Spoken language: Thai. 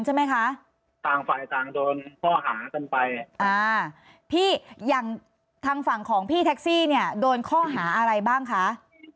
ผมทักมายด้วยขอโทษทีนะอะไรถามเมื่อกี้เป็นไหมนะ